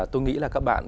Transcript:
tôi nghĩ là các bạn